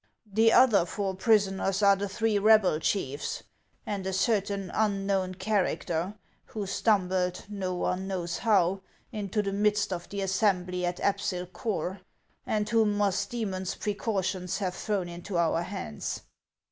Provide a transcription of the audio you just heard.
The other four prisoners are the three rebel chiefs, and a certain unknown character, who stumbled, no one knows how, into the midst of the assembly at Apsyl Corh, and whom Musdoemon's precautions have thrown into our hands.